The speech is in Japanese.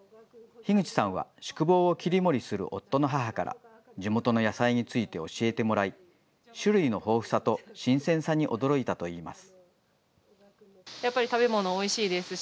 樋口さんは宿坊を切り盛りする夫の母から地元の野菜について教えてもらい、種類の豊富さと新鮮さに驚いたといいます。